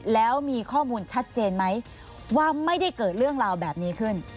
แล้วมีข้อมูลชัดเจนไหมว่าไม่ได้เกิดเรื่องราวแบบนี้ขึ้น